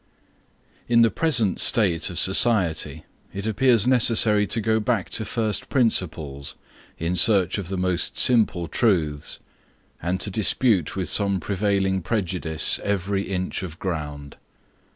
In the present state of society, it appears necessary to go back to first principles in search of the most simple truths, and to dispute with some prevailing prejudice every inch of ground.